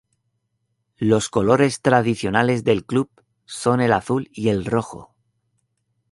Los colores tradicionales del club son el azul y el rojo.